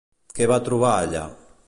Què va trobar allà?